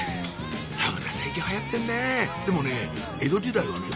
サウナ最近流行ってんねぇでもね江戸時代はね